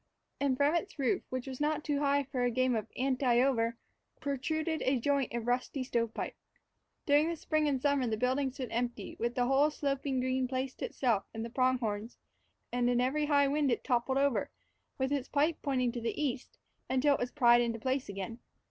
And from its roof, which was not too high for a game of "anti I over," protruded a joint of rusty stovepipe. During spring and summer the building stood empty, with the whole sloping green place to itself and the pronghorns, and in every high wind it toppled over, with its pipe pointing to the east, until it was pried into place again.